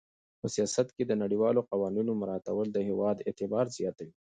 په سیاست کې د نړیوالو قوانینو مراعاتول د هېواد اعتبار زیاتوي.